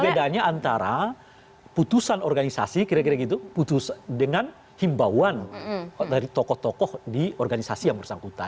bedanya antara putusan organisasi kira kira gitu putus dengan himbauan dari tokoh tokoh di organisasi yang bersangkutan